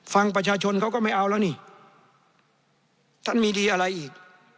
ฟังประชาชนเขาก็ไม่เอาแล้วนี่ท่านมีดีอะไรอีก